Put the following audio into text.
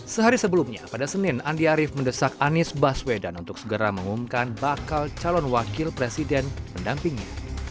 sehari sebelumnya pada senin andi arief mendesak anies baswedan untuk segera mengumumkan bakal calon wakil presiden mendampingi